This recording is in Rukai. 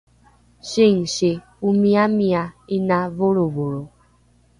singsi omiamia ’ina volrovolro